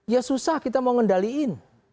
ya susah kita mau ngendaliin